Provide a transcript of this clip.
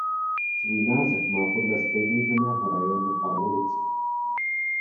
Svůj název má podle stejnojmenného rajónu a ulice.